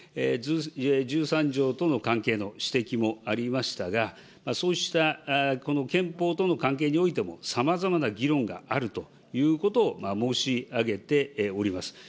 １３条との関係の指摘もありましたが、そうしたこの憲法との関係においても、さまざまな議論があるということを申し上げております。